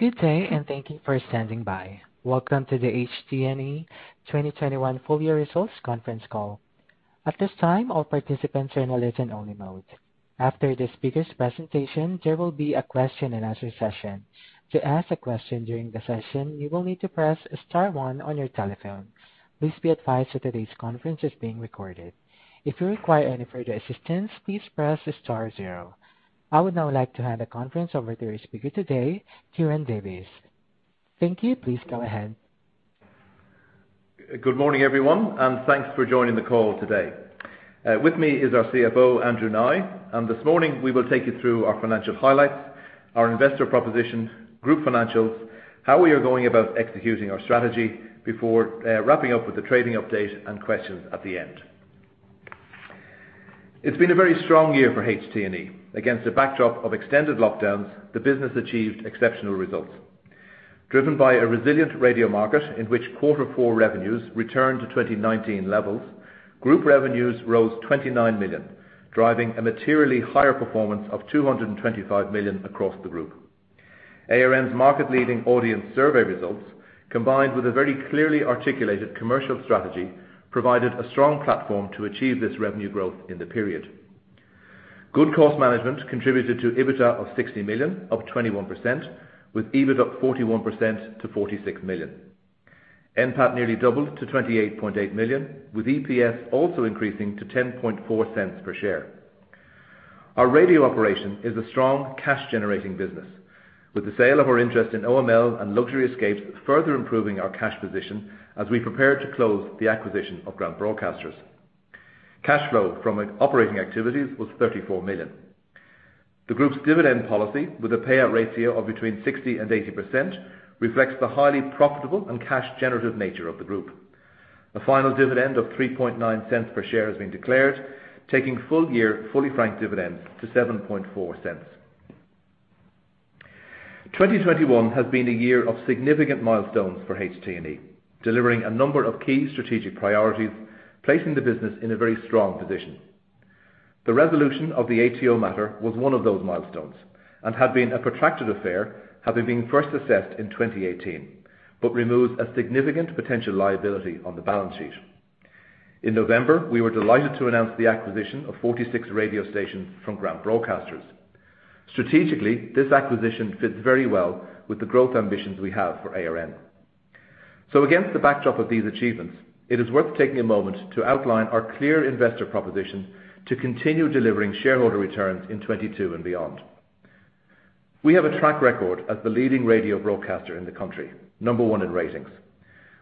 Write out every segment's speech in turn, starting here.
Good day, and thank you for standing by. Welcome to the HT&E 2021 full year results conference call. At this time, all participants are in a listen-only mode. After the speaker's presentation, there will be a Q&A session. To ask a question during the session, you will need to press star one on your telephone. Please be advised that today's conference is being recorded. If you require any further assistance, please press star zero. I would now like to hand the conference over to our speaker today, Ciaran Davis. Thank you. Please go ahead. Good morning, everyone, and thanks for joining the call today. With me is our CFO, Andrew Nye. This morning we will take you through our financial highlights, our investor proposition, group financials, how we are going about executing our strategy before wrapping up with the trading update and questions at the end. It's been a very strong year for HT&E. Against a backdrop of extended lockdowns, the business achieved exceptional results. Driven by a resilient radio market in which quarter four revenues returned to 2019 levels, group revenues rose 29 million, driving a materially higher performance of 225 million across the group. ARN's market-leading audience survey results, combined with a very clearly articulated commercial strategy, provided a strong platform to achieve this revenue growth in the period. Good cost management contributed to EBITDA of 60 million, up 21%, with EBIT up 41% to 46 million. NPAT nearly doubled to 28.8 million, with EPS also increasing to 0.104 per share. Our radio operation is a strong cash generating business. With the sale of our interest in oOh!media and Luxury Escapes further improving our cash position as we prepare to close the acquisition of Grant Broadcasters. Cash flow from operating activities was 34 million. The group's dividend policy, with a payout ratio of between 60% and 80%, reflects the highly profitable and cash generative nature of the group. A final dividend of 0.039 per share has been declared, taking full year fully franked dividends to 0.074. 2021 has been a year of significant milestones for HT&E, delivering a number of key strategic priorities, placing the business in a very strong position. The resolution of the ATO matter was one of those milestones, and had been a protracted affair, having been first assessed in 2018, but removes a significant potential liability on the balance sheet. In November, we were delighted to announce the acquisition of 46 radio stations from Grant Broadcasters. Strategically, this acquisition fits very well with the growth ambitions we have for ARN. Against the backdrop of these achievements, it is worth taking a moment to outline our clear investor proposition to continue delivering shareholder returns in 2022 and beyond. We have a track record as the leading radio broadcaster in the country. Number one in ratings.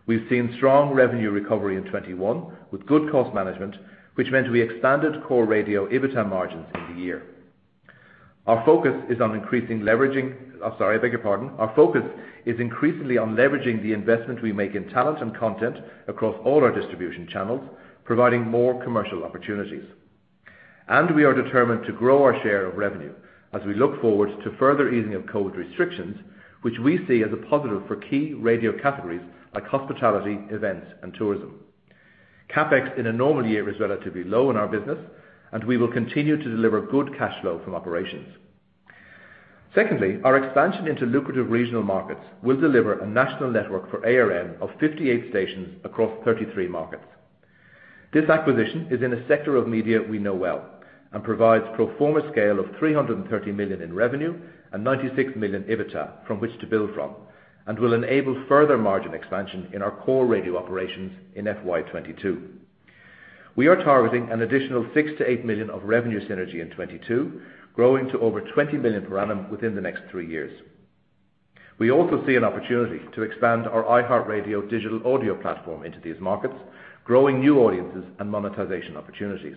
We've seen strong revenue recovery in 2021 with good cost management, which meant we expanded core radio EBITDA margins in the year. Our focus is increasingly on leveraging the investment we make in talent and content across all our distribution channels, providing more commercial opportunities. We are determined to grow our share of revenue as we look forward to further easing of COVID restrictions, which we see as a positive for key radio categories like hospitality, events and tourism. CapEx in a normal year is relatively low in our business, and we will continue to deliver good cash flow from operations. Secondly, our expansion into lucrative regional markets will deliver a national network for ARN of 58 stations across 33 markets. This acquisition is in a sector of media we know well and provides pro forma scale of 300 million in revenue and 96 million EBITDA from which to build from, and will enable further margin expansion in our core radio operations in FY 2022. We are targeting an additional 6-8 million of revenue synergy in 2022, growing to over 20 million per annum within the next three years. We also see an opportunity to expand our iHeartRadio digital audio platform into these markets, growing new audiences and monetization opportunities.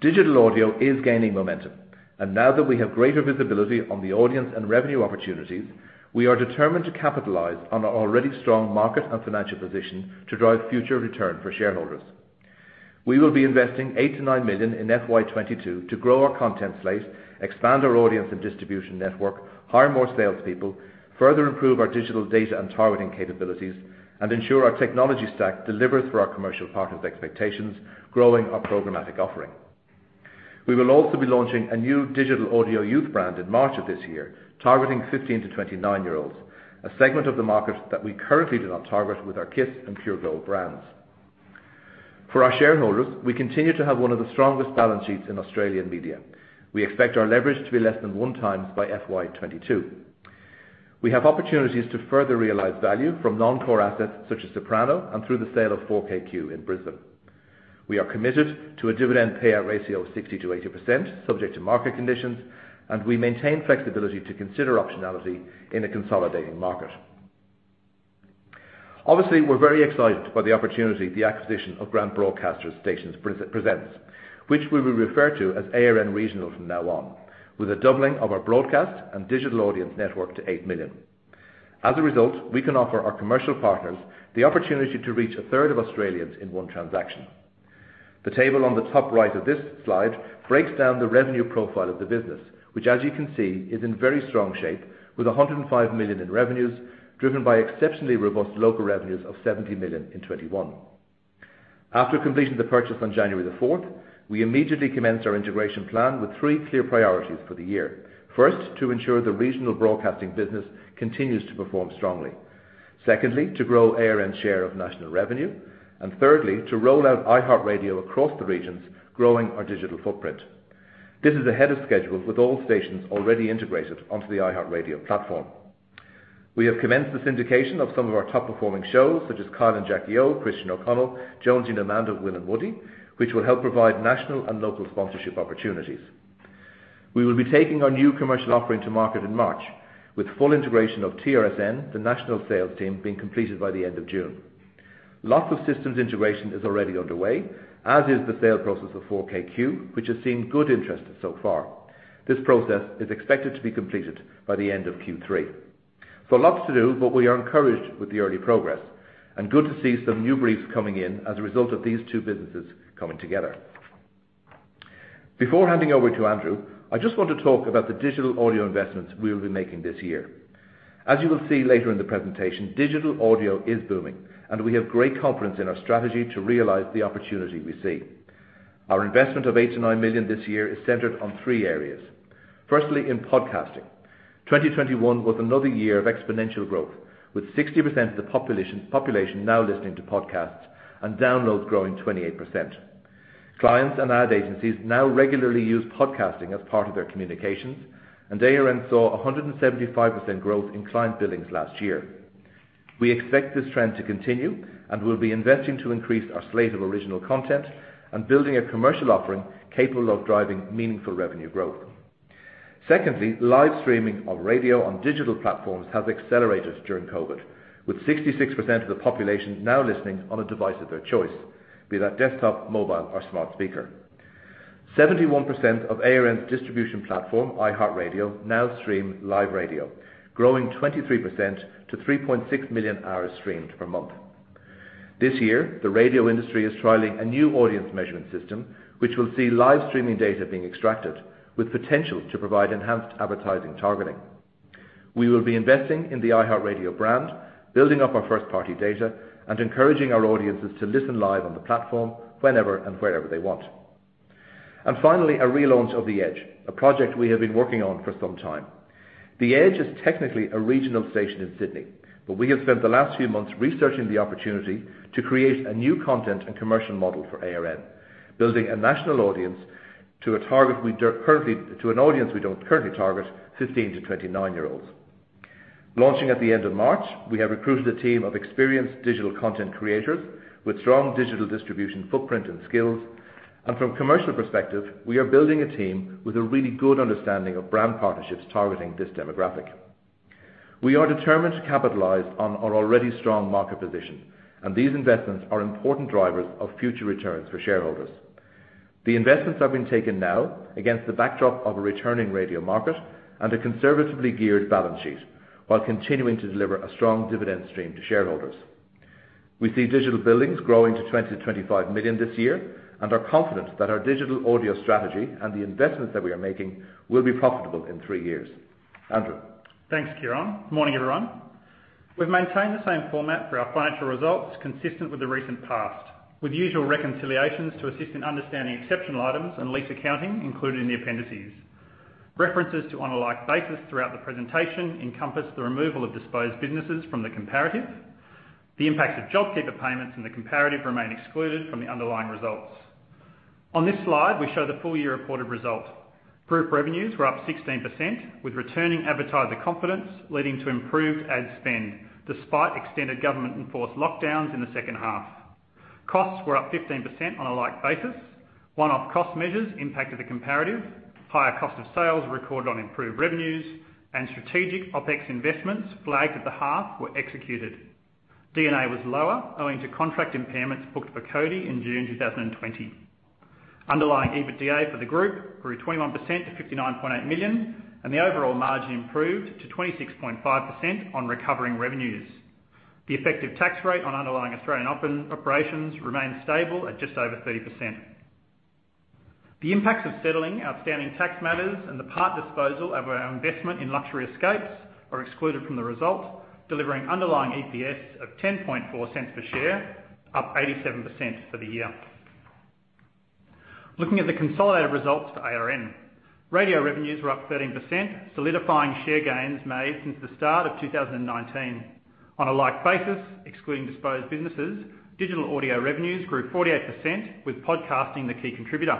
Digital audio is gaining momentum, and now that we have greater visibility on the audience and revenue opportunities, we are determined to capitalize on our already strong market and financial position to drive future return for shareholders. We will be investing 8 million-9 million in FY 2022 to grow our content slate, expand our audience and distribution network, hire more salespeople, further improve our digital data and targeting capabilities, and ensure our technology stack delivers for our commercial partners expectations, growing our programmatic offering. We will also be launching a new digital audio youth brand in March of this year, targeting 15- to 29-year-olds, a segment of the market that we currently do not target with our KIIS and Pure Gold brands. For our shareholders, we continue to have one of the strongest balance sheets in Australian media. We expect our leverage to be less than 1x by FY 2022. We have opportunities to further realize value from non-core assets such as Soprano and through the sale of 4KQ in Brisbane. We are committed to a dividend payout ratio of 60%-80%, subject to market conditions, and we maintain flexibility to consider optionality in a consolidating market. Obviously, we're very excited by the opportunity the acquisition of Grant Broadcasters stations presents, which we will refer to as ARN Regional from now on, with a doubling of our broadcast and digital audience network to 8 million. As a result, we can offer our commercial partners the opportunity to reach a third of Australians in one transaction. The table on the top right of this slide breaks down the revenue profile of the business, which, as you can see, is in very strong shape with 105 million in revenues driven by exceptionally robust local revenues of 70 million in 2021. After completing the purchase on January 4th, we immediately commenced our integration plan with three clear priorities for the year. First, to ensure the regional broadcasting business continues to perform strongly. Secondly, to grow ARN's share of national revenue. Thirdly, to roll out iHeartRadio across the regions, growing our digital footprint. This is ahead of schedule with all stations already integrated onto the iHeartRadio platform. We have commenced the syndication of some of our top-performing shows, such as Kyle and Jackie O, Christian O'Connell, Jonesy and Amanda, Will and Woody, which will help provide national and local sponsorship opportunities. We will be taking our new commercial offering to market in March, with full integration of TRSN, the national sales team, being completed by the end of June. Lots of systems integration is already underway, as is the sale process of 4KQ, which has seen good interest so far. This process is expected to be completed by the end of Q3. Lots to do, but we are encouraged with the early progress, and good to see some new briefs coming in as a result of these two businesses coming together. Before handing over to Andrew, I just want to talk about the digital audio investments we'll be making this year. As you will see later in the presentation, digital audio is booming, and we have great confidence in our strategy to realize the opportunity we see. Our investment of 8 million-9 million this year is centered on three areas. Firstly, in podcasting. 2021 was another year of exponential growth, with 60% of the population now listening to podcasts, and downloads growing 28%. Clients and ad agencies now regularly use podcasting as part of their communications, and ARN saw 175% growth in client billings last year. We expect this trend to continue, and we'll be investing to increase our slate of original content and building a commercial offering capable of driving meaningful revenue growth. Secondly, live streaming of radio on digital platforms has accelerated during COVID, with 66% of the population now listening on a device of their choice, be that desktop, mobile, or smart speaker. 71% of ARN's distribution platform, iHeartRadio, now stream live radio, growing 23% to 3.6 million hours streamed per month. This year, the radio industry is trialing a new audience measurement system, which will see live streaming data being extracted with potential to provide enhanced advertising targeting. We will be investing in the iHeartRadio brand, building up our first-party data, and encouraging our audiences to listen live on the platform whenever and wherever they want. Finally, a relaunch of The Edge, a project we have been working on for some time. The Edge is technically a regional station in Sydney, but we have spent the last few months researching the opportunity to create a new content and commercial model for ARN, building a national audience to an audience we don't currently target, 15- to 29-year-olds. Launching at the end of March, we have recruited a team of experienced digital content creators with strong digital distribution footprint and skills. From a commercial perspective, we are building a team with a really good understanding of brand partnerships targeting this demographic. We are determined to capitalize on our already strong market position, and these investments are important drivers of future returns for shareholders. The investments are being taken now against the backdrop of a returning radio market and a conservatively geared balance sheet, while continuing to deliver a strong dividend stream to shareholders. We see digital billings growing to 20-25 million this year and are confident that our digital audio strategy and the investments that we are making will be profitable in three years. Andrew? Thanks, Ciaran. Morning, everyone. We've maintained the same format for our financial results consistent with the recent past, with usual reconciliations to assist in understanding exceptional items and lease accounting included in the appendices. References to on a like basis throughout the presentation encompass the removal of disposed businesses from the comparative. The impact of JobKeeper payments in the comparative remain excluded from the underlying results. On this slide, we show the full year reported result. Group revenues were up 16% with returning advertiser confidence leading to improved ad spend, despite extended government-enforced lockdowns in the second half. Costs were up 15% on a like basis. One-off cost measures impacted the comparative. Higher cost of sales were recorded on improved revenues, and strategic OpEx investments flagged at the half were executed. D&A was lower owing to contract impairments booked for CODI in June 2020. Underlying EBITDA for the group grew 21% to 59.8 million, and the overall margin improved to 26.5% on recovering revenues. The effective tax rate on underlying Australian operations remained stable at just over 30%. The impacts of settling outstanding tax matters and the part disposal of our investment in Luxury Escapes are excluded from the result, delivering underlying EPS of 0.104 per share, up 87% for the year. Looking at the consolidated results for ARN. Radio revenues were up 13%, solidifying share gains made since the start of 2019. On a like basis, excluding disposed businesses, digital audio revenues grew 48% with podcasting the key contributor.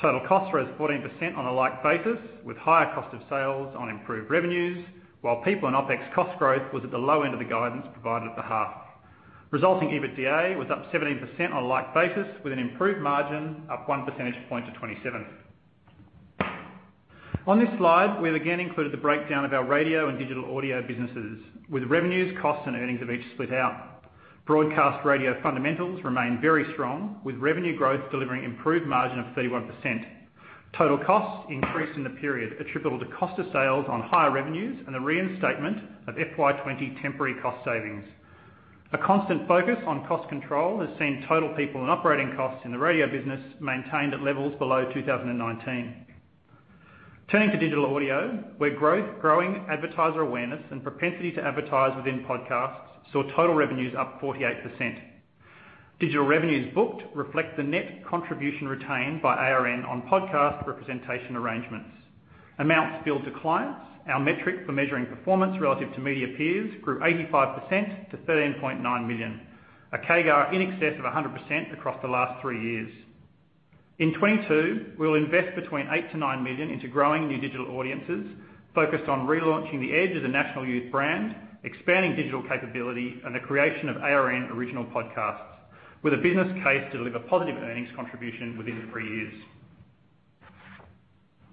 Total costs rose 14% on a like basis, with higher cost of sales on improved revenues, while people and OpEx cost growth was at the low end of the guidance provided at the half. Resulting EBITDA was up 17% on a like basis, with an improved margin up 1 percentage point to 27%. On this slide, we've again included the breakdown of our radio and digital audio businesses, with revenues, costs, and earnings of each split out. Broadcast radio fundamentals remain very strong, with revenue growth delivering improved margin of 31%. Total costs increased in the period attributable to cost of sales on higher revenues and the reinstatement of FY 2020 temporary cost savings. A constant focus on cost control has seen total people and operating costs in the radio business maintained at levels below 2019. Turning to digital audio, where growth, growing advertiser awareness and propensity to advertise within podcasts saw total revenues up 48%. Digital revenues booked reflect the net contribution retained by ARN on podcast representation arrangements. Amounts billed to clients, our metric for measuring performance relative to media peers, grew 85% to 13.9 million, a CAGR in excess of 100% across the last three years. In 2022, we'll invest between 8-9 million into growing new digital audiences, focused on relaunching The Edge as a national youth brand, expanding digital capability, and the creation of ARN original podcasts, with a business case to deliver positive earnings contribution within three years.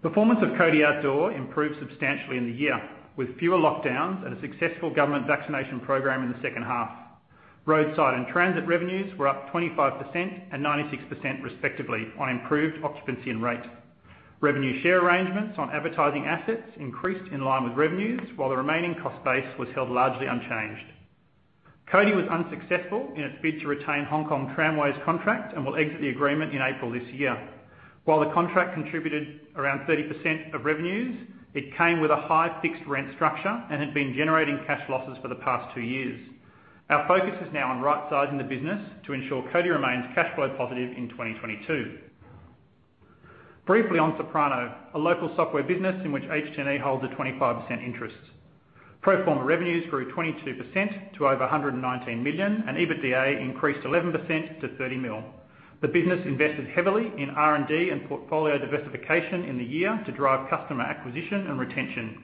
Performance of CODI Outdoor improved substantially in the year, with fewer lockdowns and a successful government vaccination program in the second half. Roadside and transit revenues were up 25% and 96% respectively on improved occupancy and rate. Revenue share arrangements on advertising assets increased in line with revenues, while the remaining cost base was held largely unchanged. CODI was unsuccessful in its bid to retain Hong Kong Tramways contract and will exit the agreement in April this year. While the contract contributed around 30% of revenues, it came with a high fixed rent structure and had been generating cash losses for the past two years. Our focus is now on right-sizing the business to ensure CODI remains cash flow positive in 2022. Briefly on Soprano, a local software business in which HT&E holds a 25% interest. Pro forma revenues grew 22% to over 119 million, and EBITDA increased 11% to 30 million. The business invested heavily in R&D and portfolio diversification in the year to drive customer acquisition and retention.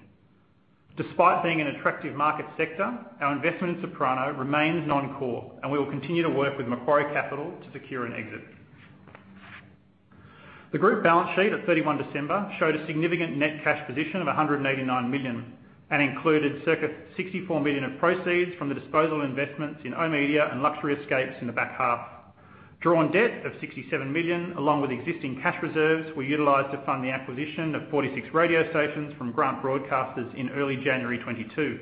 Despite being an attractive market sector, our investment in Soprano remains non-core, and we will continue to work with Macquarie Capital to secure an exit. The group balance sheet at 31 December showed a significant net cash position of 189 million and included circa 64 million of proceeds from the disposal investments in oOh!media and Luxury Escapes in the back half. Drawn debt of 67 million, along with existing cash reserves, were utilized to fund the acquisition of 46 radio stations from Grant Broadcasters in early January 2022.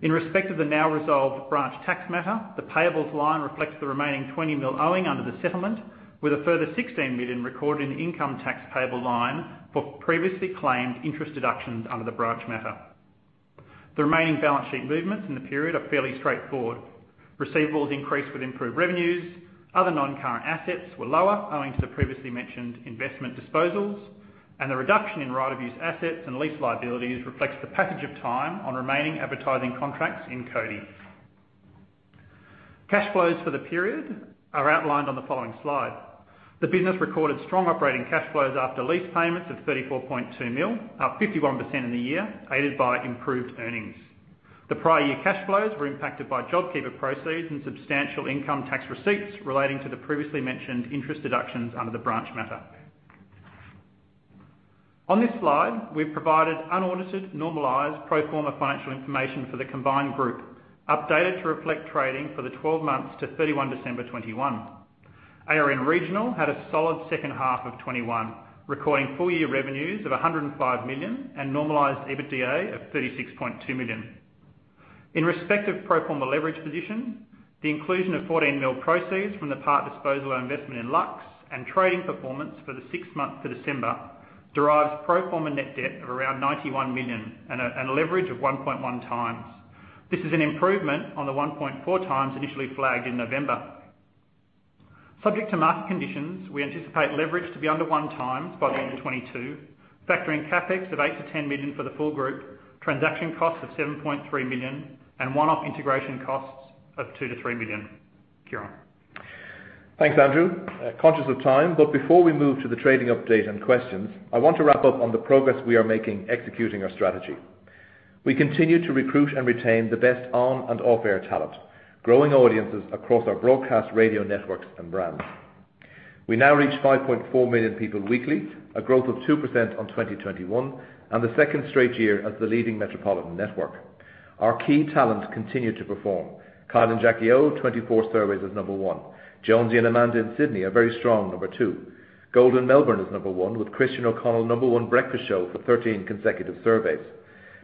In respect of the now resolved branch tax matter, the payables line reflects the remaining 20 million owing under the settlement, with a further 16 million recorded in income tax payable line for previously claimed interest deductions under the branch matter. The remaining balance sheet movements in the period are fairly straightforward. Receivables increased with improved revenues. Other non-current assets were lower, owing to the previously mentioned investment disposals. The reduction in right of use assets and lease liabilities reflects the passage of time on remaining advertising contracts in CODI. Cash flows for the period are outlined on the following slide. The business recorded strong operating cash flows after lease payments of 34.2 million, up 51% in the year, aided by improved earnings. The prior year cash flows were impacted by JobKeeper proceeds and substantial income tax receipts relating to the previously mentioned interest deductions under the branch matter. On this slide, we've provided unaudited, normalized, pro forma financial information for the combined group, updated to reflect trading for the 12 months to 31 December 2021. ARN Regional had a solid second half of 2021, recording full year revenues of 105 million and normalized EBITDA of 36.2 million. In respect of pro forma leverage position, the inclusion of 14 million proceeds from the part disposal investment in LUX and trading performance for the six months to December derives pro forma net debt of around 91 million and a leverage of 1.1x. This is an improvement on the 1.4x initially flagged in November. Subject to market conditions, we anticipate leverage to be under 1x by the end of 2022, factoring CapEx of 8-10 million for the full group, transaction costs of 7.3 million, and one-off integration costs of 2-3 million. Ciaran? Thanks, Andrew. Conscious of time, but before we move to the trading update and questions, I want to wrap up on the progress we are making executing our strategy. We continue to recruit and retain the best on and off-air talent, growing audiences across our broadcast radio networks and brands. We now reach 5.4 million people weekly, a growth of 2% on 2021, and the second straight year as the leading metropolitan network. Our key talent continue to perform. Kyle and Jackie O, 24 surveys as number one. Jonesy and Amanda in Sydney, a very strong number two. Gold 104.3 in Melbourne is number one, with Christian O'Connell number one breakfast show for 13 consecutive surveys.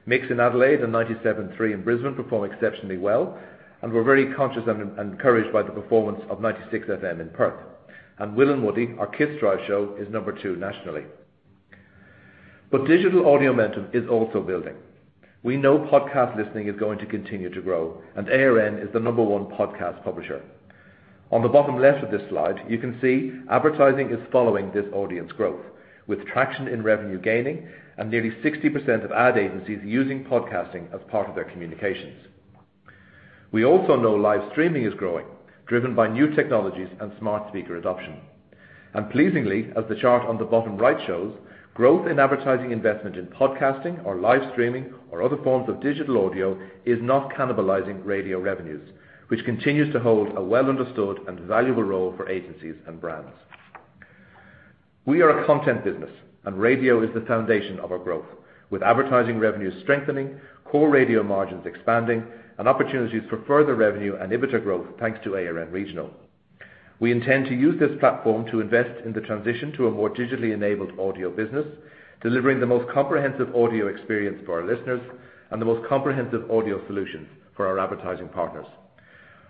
Mix 102.3 in Adelaide and 97.3FM in Brisbane perform exceptionally well, and we're very conscious and encouraged by the performance of 96FM in Perth. Will and Woody, our KIIS Drive show, is number two nationally. Digital audio momentum is also building. We know podcast listening is going to continue to grow, and ARN is the number one podcast publisher. On the bottom left of this slide, you can see advertising is following this audience growth, with traction in revenue gaining and nearly 60% of ad agencies using podcasting as part of their communications. We also know live streaming is growing, driven by new technologies and smart speaker adoption. Pleasingly, as the chart on the bottom right shows, growth in advertising investment in podcasting or live streaming or other forms of digital audio is not cannibalizing radio revenues, which continues to hold a well understood and valuable role for agencies and brands. We are a content business, and radio is the foundation of our growth, with advertising revenues strengthening, core radio margins expanding, and opportunities for further revenue and EBITDA growth, thanks to ARN Regional. We intend to use this platform to invest in the transition to a more digitally enabled audio business, delivering the most comprehensive audio experience for our listeners and the most comprehensive audio solutions for our advertising partners.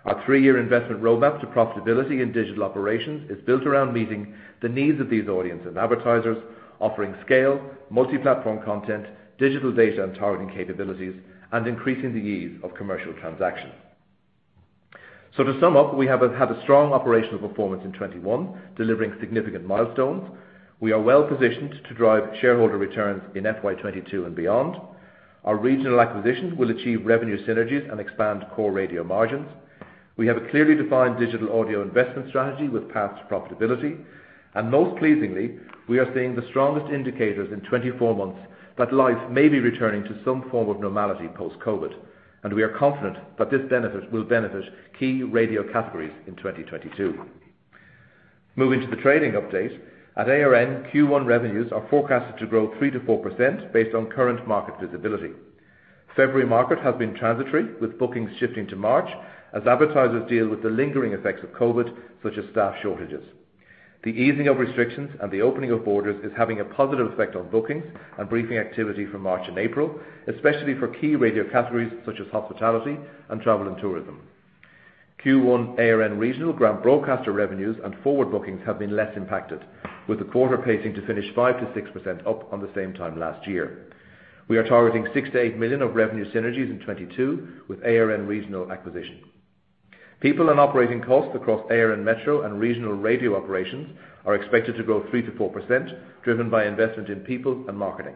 Our three-year investment roadmap to profitability in digital operations is built around meeting the needs of these audience and advertisers, offering scale, multi-platform content, digital data and targeting capabilities, and increasing the ease of commercial transactions. To sum up, we have had a strong operational performance in 2021, delivering significant milestones. We are well-positioned to drive shareholder returns in FY 2022 and beyond. Our regional acquisition will achieve revenue synergies and expand core radio margins. We have a clearly defined digital audio investment strategy with paths to profitability. Most pleasingly, we are seeing the strongest indicators in 24 months that life may be returning to some form of normality post-COVID, and we are confident that this benefit will benefit key radio categories in 2022. Moving to the trading update. At ARN, Q1 revenues are forecasted to grow 3%-4% based on current market visibility. February market has been transitory, with bookings shifting to March as advertisers deal with the lingering effects of COVID, such as staff shortages. The easing of restrictions and the opening of borders is having a positive effect on bookings and briefing activity from March and April, especially for key radio categories such as hospitality and travel and tourism. Q1 ARN Regional Grant Broadcasters revenues and forward bookings have been less impacted, with the quarter pacing to finish 5%-6% up on the same time last year. We are targeting 6 million-8 million of revenue synergies in 2022 with ARN Regional acquisition. People and operating costs across ARN Metro and regional radio operations are expected to grow 3%-4%, driven by investment in people and marketing.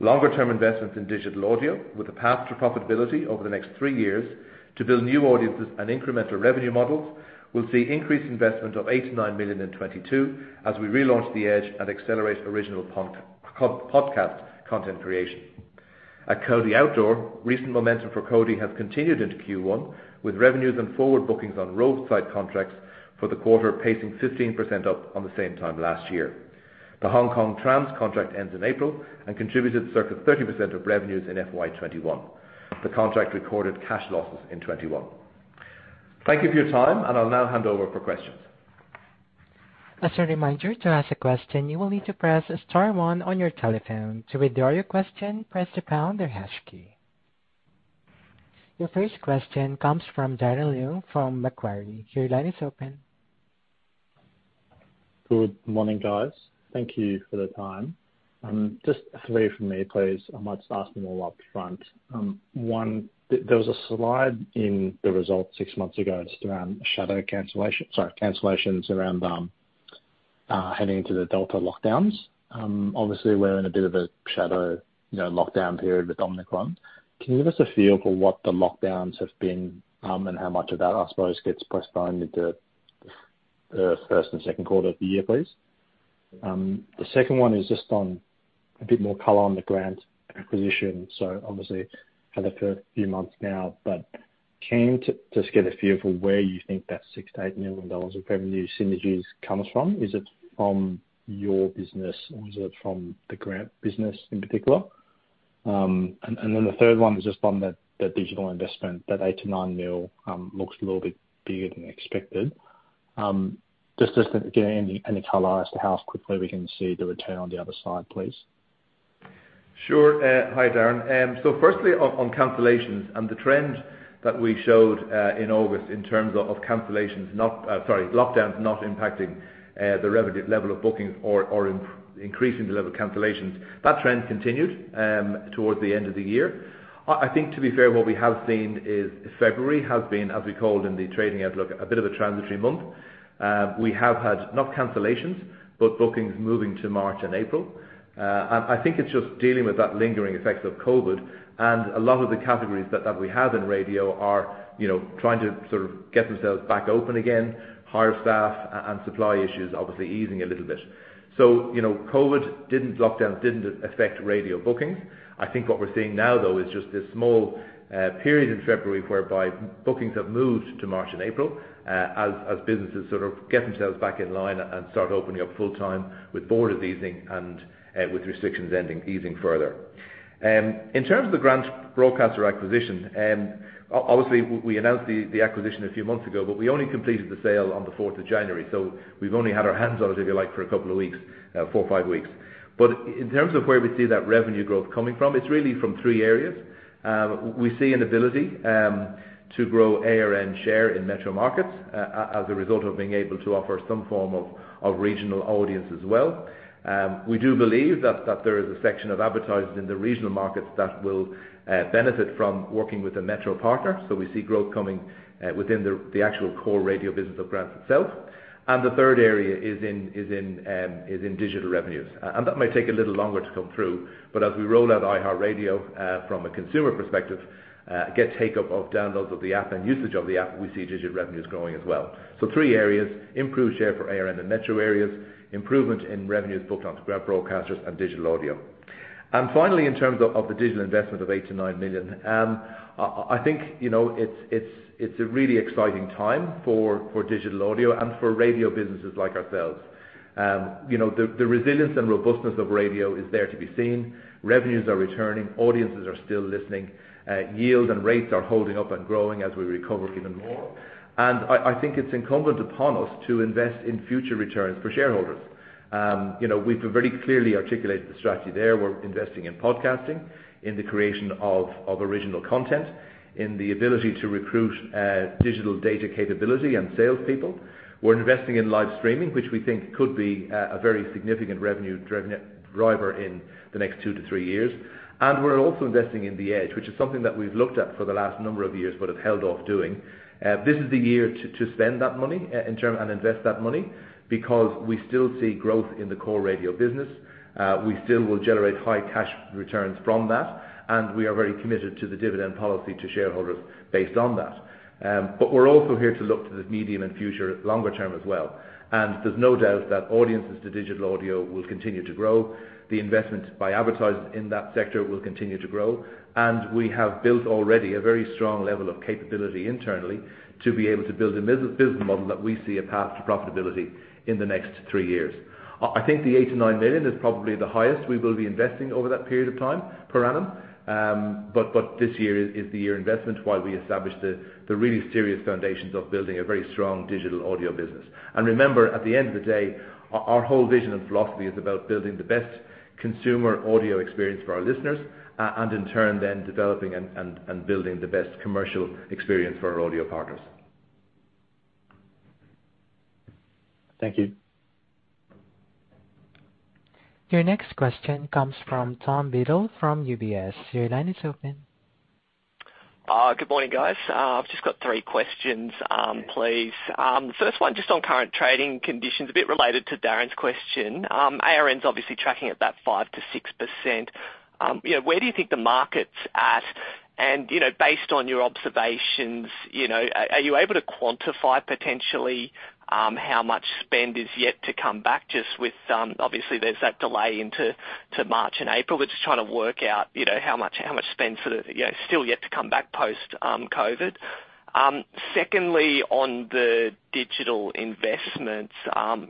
Longer-term investments in digital audio, with a path to profitability over the next three years to build new audiences and incremental revenue models, will see increased investment of 8 million-9 million in 2022, as we relaunch The Edge and accelerate original podcast content creation. At Cody Out-of-Home, recent momentum for Cody has continued into Q1, with revenues and forward bookings on roadside contracts for the quarter pacing 15% up on the same time last year. The Hong Kong Tramways contract ends in April and contributed circa 30% of revenues in FY 2021. The contract recorded cash losses in 2021. Thank you for your time, and I'll now hand over for questions. As a reminder, to ask a question, you will need to press star one on your telephone. To withdraw your question, press the pound or hash key. Your first question comes from Darren Leung from Macquarie. Your line is open. Good morning, guys. Thank you for the time. Just three from me, please. I might just ask them all upfront. One, there was a slide in the results six months ago just around shadow cancellations around heading into the Delta lockdowns. Obviously we're in a bit of a shadow, you know, lockdown period with Omicron. Can you give us a feel for what the lockdowns have been and how much of that, I suppose, gets pushed down into the first and second quarter of the year, please? The second one is just on a bit more color on the Grant acquisition. Obviously had it for a few months now. Keen to just get a feel for where you think that 6 million-8 million dollars of revenue synergies comes from. Is it from your business or is it from the Grant business in particular? The third one is just on the digital investment, that 8 million-9 million looks a little bit bigger than expected. Just again, any color as to how quickly we can see the return on the other side, please. Sure. Hi, Darren. Firstly on cancellations and the trend that we showed in August in terms of lockdowns not impacting the revenue level of bookings or increasing the level of cancellations. That trend continued towards the end of the year. I think to be fair, what we have seen is February has been, as we called in the trading outlook, a bit of a transitory month. We have had not cancellations, but bookings moving to March and April. I think it's just dealing with the lingering effects of COVID and a lot of the categories that we have in radio are, you know, trying to sort of get themselves back open again, hire staff and supply issues obviously easing a little bit. You know, COVID lockdown didn't affect radio bookings. I think what we're seeing now though is just this small period in February whereby bookings have moved to March and April, as businesses sort of get themselves back in line and start opening up full time with borders easing and with restrictions ending, easing further. In terms of the Grant Broadcasters acquisition, obviously we announced the acquisition a few months ago, but we only completed the sale on the fourth of January, so we've only had our hands on it, if you like, for a couple of weeks, four or five weeks. In terms of where we see that revenue growth coming from, it's really from three areas. We see an ability to grow ARN share in metro markets as a result of being able to offer some form of regional audience as well. We do believe that there is a section of advertisers in the regional markets that will benefit from working with a metro partner. We see growth coming within the actual core radio business of Grant Broadcasters itself. The third area is in digital revenues. That might take a little longer to come through, but as we roll out iHeartRadio from a consumer perspective, get take-up of downloads of the app and usage of the app, we see digital revenues growing as well. Three areas, improved share for ARN in metro areas, improvement in revenues booked onto Grant Broadcasters, and digital audio. Finally, in terms of the digital investment of 8 million-9 million, I think, you know, it's a really exciting time for digital audio and for radio businesses like ourselves. You know, the resilience and robustness of radio is there to be seen. Revenues are returning, audiences are still listening, yield and rates are holding up and growing as we recover even more. I think it's incumbent upon us to invest in future returns for shareholders. You know, we've very clearly articulated the strategy there. We're investing in podcasting, in the creation of original content, in the ability to recruit digital data capability and salespeople. We're investing in live streaming, which we think could be a very significant revenue driver in the next two to three years. We're also investing in The Edge, which is something that we've looked at for a number of years but have held off doing. This is the year to spend that money in turn and invest that money because we still see growth in the core radio business. We still will generate high cash returns from that, and we are very committed to the dividend policy to shareholders based on that. We're also here to look to the medium- and longer-term future as well. There's no doubt that audiences to digital audio will continue to grow. The investment by advertisers in that sector will continue to grow, and we have built already a very strong level of capability internally to be able to build a business model that we see a path to profitability in the next three years. I think the 89 million is probably the highest we will be investing over that period of time per annum. This year is the year of investment while we establish the really serious foundations of building a very strong digital audio business. Remember, at the end of the day, our whole vision and philosophy is about building the best consumer audio experience for our listeners, and in turn then developing and building the best commercial experience for our audio partners. Thank you. Your next question comes from Tom Beudeker from UBS. Your line is open. Good morning, guys. I've just got three questions, please. First one, just on current trading conditions, a bit related to Darren's question. ARN's obviously tracking at that 5%-6%. You know, where do you think the market's at? You know, based on your observations, you know, are you able to quantify potentially, how much spend is yet to come back just with, obviously there's that delay into March and April. We're just trying to work out, you know, how much spend sort of, you know, still yet to come back post, COVID. Secondly, on the digital investments,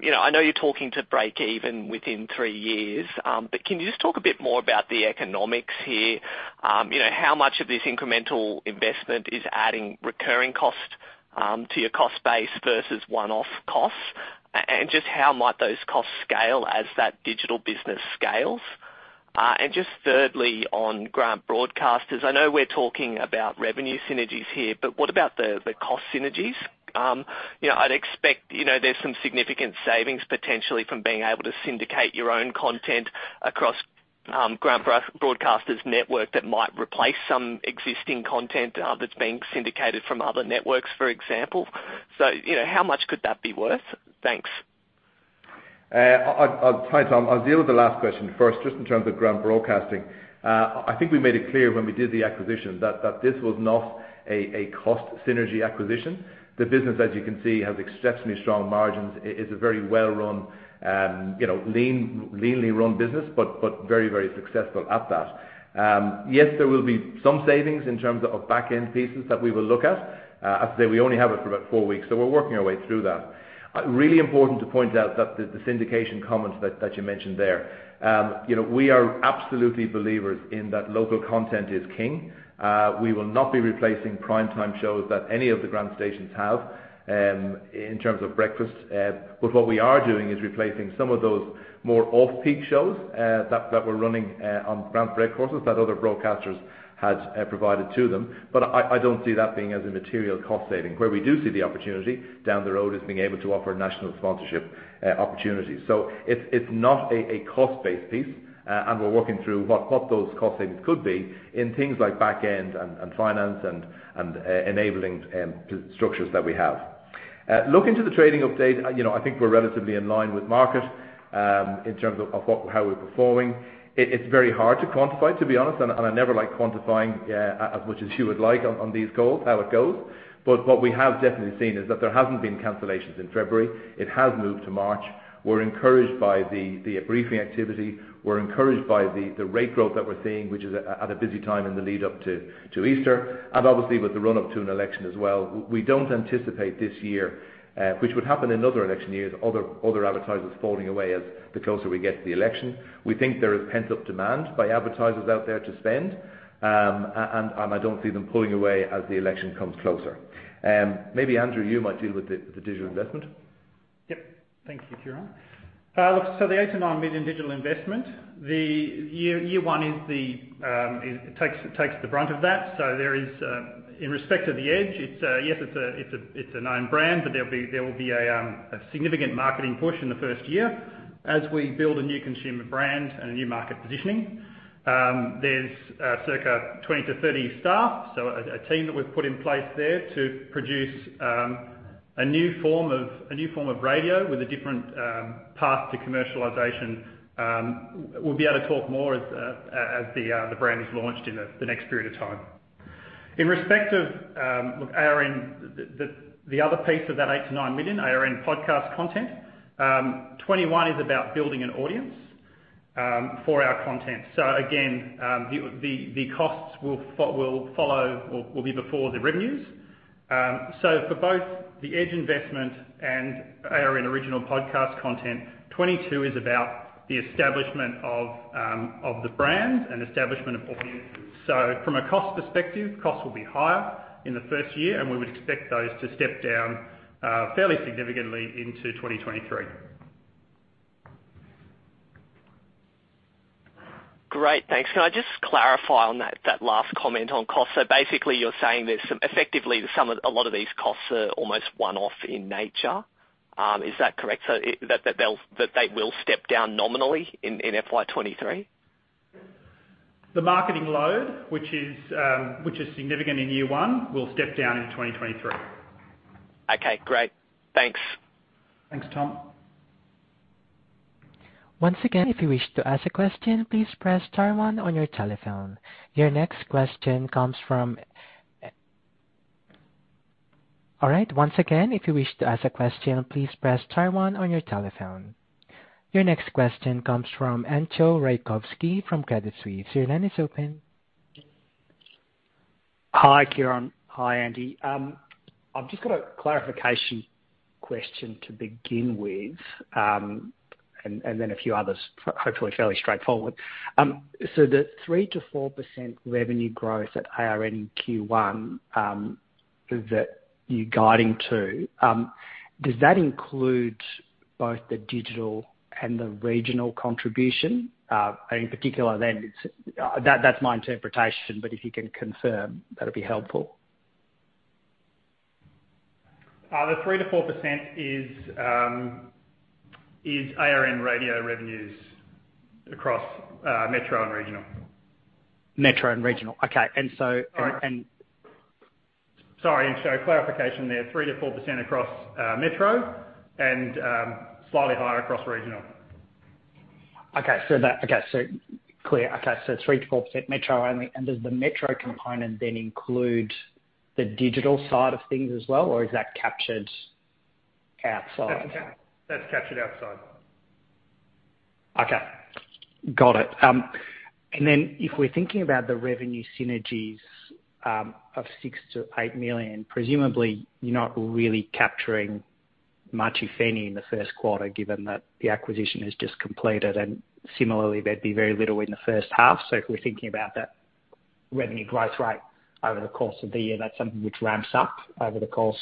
you know, I know you're talking to breakeven within three years, but can you just talk a bit more about the economics here? You know, how much of this incremental investment is adding recurring cost to your cost base versus one-off costs? And just how might those costs scale as that digital business scales? Just thirdly, on Grant Broadcasters, I know we're talking about revenue synergies here, but what about the cost synergies? You know, I'd expect, you know, there's some significant savings potentially from being able to syndicate your own content across Grant Broadcasters network that might replace some existing content that's being syndicated from other networks, for example. You know, how much could that be worth? Thanks. Hi, Tom. I'll deal with the last question first, just in terms of Grant Broadcasters. I think we made it clear when we did the acquisition that this was not a cost synergy acquisition. The business, as you can see, has exceptionally strong margins. It is a very well-run, you know, leanly run business, but very successful at that. Yes, there will be some savings in terms of backend pieces that we will look at. As I say, we only have it for about four weeks, so we're working our way through that. Really important to point out that the syndication comment that you mentioned there, you know, we are absolutely believers in that local content is king. We will not be replacing prime time shows that any of the Grant stations have, in terms of breakfast. What we are doing is replacing some of those more off-peak shows that were running on Grant breakfast that other broadcasters had provided to them. I don't see that being a material cost saving. Where we do see the opportunity down the road is being able to offer national sponsorship opportunities. It's not a cost-based piece. We're working through what those cost savings could be in things like backend and finance and enabling structures that we have. Looking to the trading update, you know, I think we're relatively in line with market in terms of how we're performing. It's very hard to quantify, to be honest, and I never like quantifying as much as you would like on these calls, how it goes. What we have definitely seen is that there hasn't been cancellations in February. It has moved to March. We're encouraged by the booking activity. We're encouraged by the rate growth that we're seeing, which is at a busy time in the lead up to Easter, and obviously with the run up to an election as well. We don't anticipate this year, which would happen in other election years, other advertisers falling away as we get closer to the election. We think there is pent-up demand by advertisers out there to spend, and I don't see them pulling away as the election comes closer. Maybe Andrew, you might deal with the digital investment. Yep. Thank you, Ciaran. Look, the 89 million digital investment, year one takes the brunt of that. There is, in respect to The Edge, it's a known brand, but there will be a significant marketing push in the first year as we build a new consumer brand and a new market positioning. There's circa 20-30 staff, a team that we've put in place there to produce a new form of radio with a different path to commercialization. We'll be able to talk more as the brand is launched in the next period of time. In respect of, look, ARN, the other piece of that 8 million-9 million ARN podcast content, 2021 is about building an audience for our content. Again, the costs will follow or will be before the revenues. For both The Edge investment and ARN original podcast content, 2022 is about the establishment of the brand and establishment of audiences. From a cost perspective, costs will be higher in the first year, and we would expect those to step down fairly significantly into 2023. Great. Thanks. Can I just clarify on that last comment on cost? Basically you're saying a lot of these costs are almost one-off in nature, is that correct? That they will step down nominally in FY 2023. The marketing load, which is significant in year one, will step down in 2023. Okay, great. Thanks. Thanks, Tom. Once again, if you wish to ask a question, please press star one on your telephone. All right. Once again, if you wish to ask a question, please press star one on your telephone. Your next question comes from Entcho Raykovski from Credit Suisse. Your line is open. Hi, Ciaran. Hi, Andy. I've just got a clarification question to begin with, and then a few others, hopefully fairly straightforward. The 3%-4% revenue growth at ARN in Q1 that you're guiding to, does that include both the digital and the regional contribution? In particular, that's my interpretation, but if you can confirm, that'll be helpful. The 3%-4% is ARN radio revenues across metro and regional. Metro and regional. Okay. Sorry. And. Sorry. Clarification there, 3%-4% across metro and slightly higher across regional. 3%-4% metro only. Does the metro component then include the digital side of things as well, or is that captured outside? That's captured outside. Okay. Got it. If we're thinking about the revenue synergies of 6 million-8 million, presumably you're not really capturing much, if any, in the first quarter, given that the acquisition has just completed, and similarly, there'd be very little in the first half. If we're thinking about that revenue growth rate over the course of the year, that's something which ramps up over the course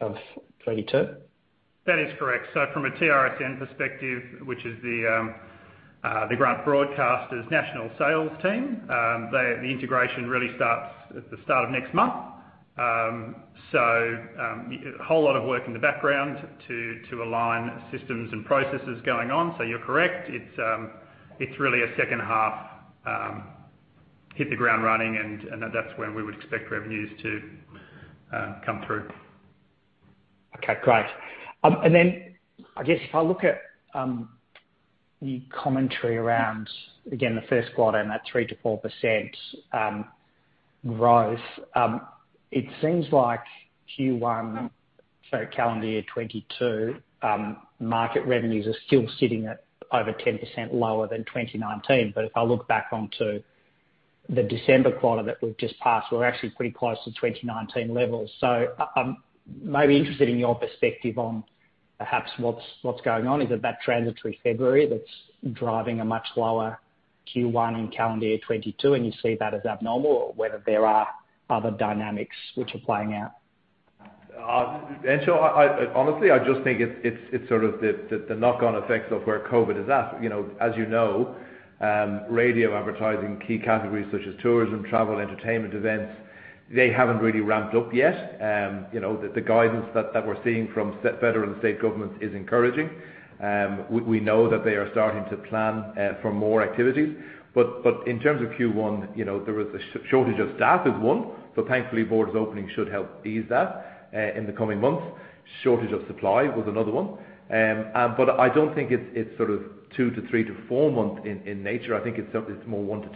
of 2022. That is correct. From a TRSN perspective, which is the Grant Broadcasters national sales team, the integration really starts at the start of next month. Whole lot of work in the background to align systems and processes going on. You're correct. It's really a second half, hit the ground running and that's when we would expect revenues to come through. Okay, great. Then I guess if I look at the commentary around, again, the first quarter and that 3%-4% growth, it seems like Q1, so calendar year 2022, market revenues are still sitting at over 10% lower than 2019. If I look back onto the December quarter that we've just passed, we're actually pretty close to 2019 levels. I'm maybe interested in your perspective on perhaps what's going on. Is it that transitory February that's driving a much lower Q1 in calendar year 2022 and you see that as abnormal, or whether there are other dynamics which are playing out. Honestly, I just think it's sort of the knock-on effects of where COVID is at. You know, as you know, radio advertising key categories such as tourism, travel, entertainment events, they haven't really ramped up yet. The guidance we're seeing from federal and state governments is encouraging. We know that they are starting to plan for more activities. In terms of Q1, you know, there was a shortage of staff is one, so thankfully borders opening should help ease that in the coming months. Shortage of supply was another one. I don't think it's sort of two- to three- to four-month in nature. I think it's more one- to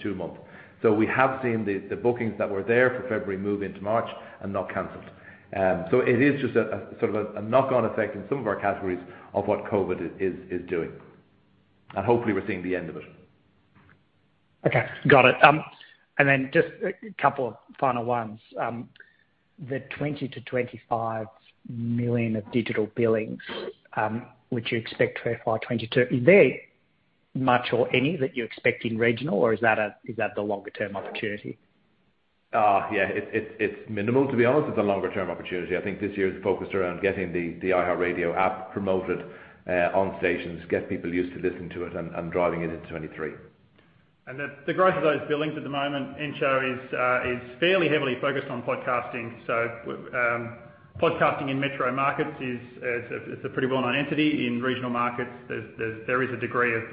two-month. We have seen the bookings that were there for February move into March and not canceled. It is just a sort of a knock-on effect in some of our categories of what COVID is doing. Hopefully we're seeing the end of it. Okay. Got it. Just a couple of final ones. The 20 million-25 million of digital billings, which you expect for FY 2022, is there much or any that you expect in regional, or is that the longer term opportunity? Yeah, it's minimal to be honest. It's a longer term opportunity. I think this year is focused around getting the iHeartRadio app promoted on stations, get people used to listening to it and driving it into 2023. The growth of those billings at the moment, Entcho, is fairly heavily focused on podcasting. Podcasting in metro markets is a pretty well-known entity. In regional markets, there is a degree of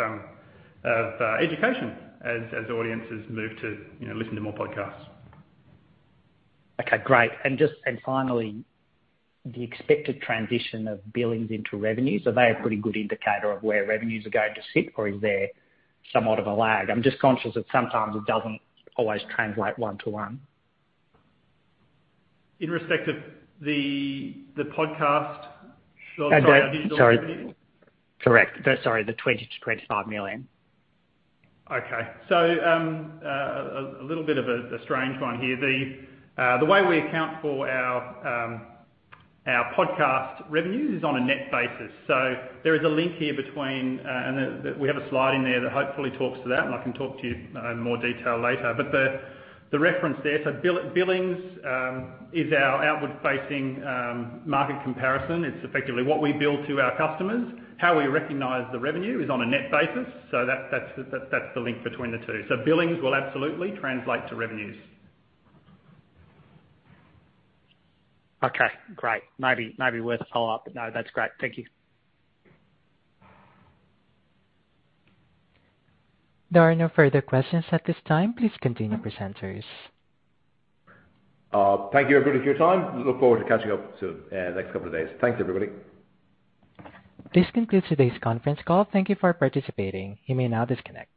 education as audiences move to, you know, listen to more podcasts. Okay, great. Finally, the expected transition of billings into revenues. Are they a pretty good indicator of where revenues are going to sit, or is there somewhat of a lag? I'm just conscious that sometimes it doesn't always translate one to one. In respect of the podcast. Sorry. Digital revenues? Correct. Sorry, the 20 million-25 million. A little bit of a strange one here. The way we account for our podcast revenues is on a net basis. There is a link here. We have a slide in there that hopefully talks to that, and I can talk to you in more detail later. The reference there. Billings is our outward facing market comparison. It's effectively what we bill to our customers. How we recognize the revenue is on a net basis. That's the link between the two. Billings will absolutely translate to revenues. Okay, great. Maybe worth a follow-up. No, that's great. Thank you. There are no further questions at this time. Please continue, presenters. Thank you everybody for your time. I look forward to catching up soon, next couple of days. Thanks, everybody. This concludes today's conference call. Thank you for participating. You may now disconnect.